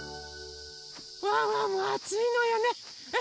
ワンワンもあついのよね。